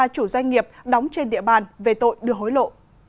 ba chủ doanh nghiệp đóng trên địa bàn về tội đưa hối lộ